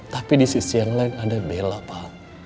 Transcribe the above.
tapi di sisi yang lain ada bella pa